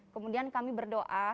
kemudian kami berdoa